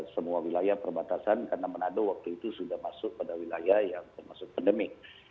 semua wilayah perbatasan karena manado waktu itu sudah masuk pada wilayah yang termasuk pandemi